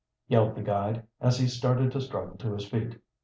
yelled the guide, as he started to struggle to his feet.